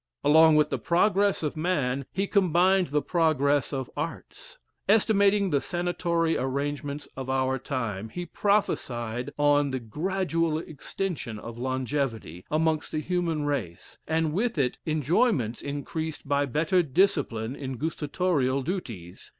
Along with the progress of man he combined the progress of arts estimating the sanatory arrangements of our time, he prophecied on the gradual extension of longevity, amongst the human race; and with it, enjoyments increased by better discipline in gustatorial duties.